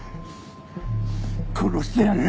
殺してやる。